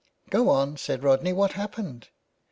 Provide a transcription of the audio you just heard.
" Go on," said Rodney, " what happened